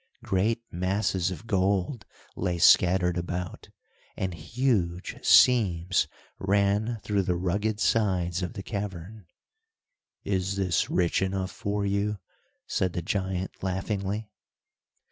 Great masses of gold lay scattered about, and huge seams ran through the rugged sides of the cavern. "Is this rich enough for you?" said the giant, laughingly.